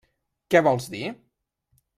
Què vols dir?